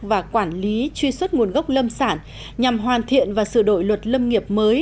và quản lý truy xuất nguồn gốc lâm sản nhằm hoàn thiện và sửa đổi luật lâm nghiệp mới